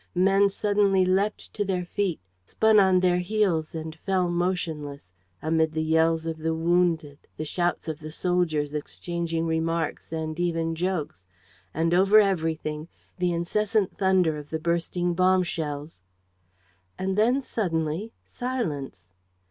Men suddenly leapt to their feet, spun on their heels and fell motionless, amid the yells of the wounded, the shouts of the soldiers exchanging remarks and even jokes and, over everything, the incessant thunder of the bursting bomb shells. And then, suddenly, silence!